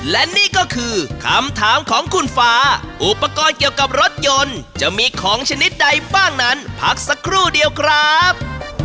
และนี่ก็คือคำถามของคุณฟ้าอุปกรณ์เกี่ยวกับรถยนต์จะมีของชนิดใดบ้างนั้นพักสักครู่เดียวครับ